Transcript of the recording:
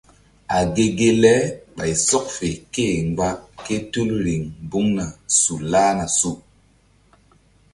A ge ge le ɓay sɔk fe ké-e mgba ke tul riŋ mbuŋna su lahna su.